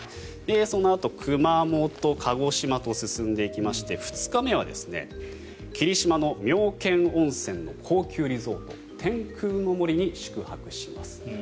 そのあと熊本、鹿児島と進んでいきまして２日目は霧島の妙見温泉の高級リゾート天空の森に宿泊します。